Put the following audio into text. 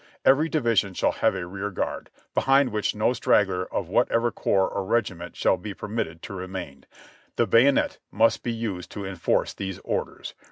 "Every division shall have a rear guard, behind which no strag gler of whatever corps or regiment shall be permitted to remain. The bayonet must be used to enforce these orders.